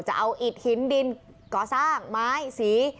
จะเอาอิดหินดินก่อสร้างไม้สี